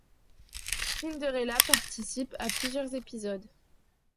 Spinderella participe à plusieurs épisodes.